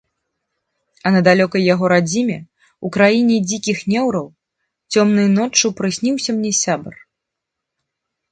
А на далёкай яго радзіме, у краіне дзікіх неўраў, цёмнай ноччу прысніўся мне сябар.